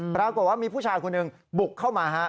ปรากฏว่ามีผู้ชายคนหนึ่งบุกเข้ามาฮะ